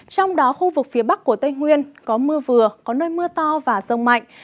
trong đó khu vực phía bắc của tây nguyên có mưa vừa có nơi mưa to và rông mạnh